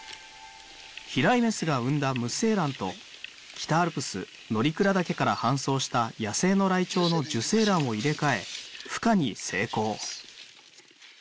飛来メスが産んだ無精卵と北アルプス乗鞍岳から搬送した野生のライチョウの受精卵を入れ替え孵化に成功。